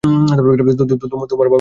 তোমার বাবাকে বিশ্বাস করো।